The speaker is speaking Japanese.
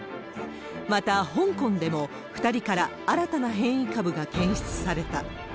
また、香港でも２人から新たな変異株が検出された。